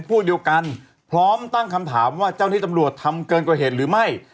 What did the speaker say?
พร้อมตั้งคำถามว่าเจ้าหน้าที่ตำรวจทำเกินกว่าเหตุหรือไม่